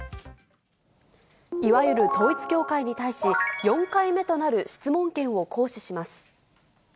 いわゆる統一教会に対し、４回目となる質問権を行使します。